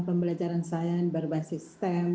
pembelajaran sains berbahasa stem